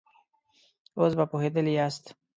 اوس به پوهېدلي ياست.